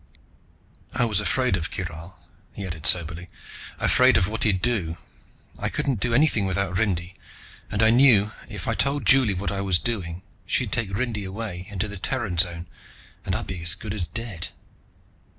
I was afraid of Kyral," he added soberly. "Afraid of what he'd do. I couldn't do anything without Rindy and I knew if I told Juli what I was doing, she'd take Rindy away into the Terran Zone, and I'd be as good as dead."